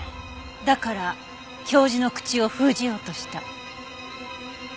だから教授の口を封じようとした？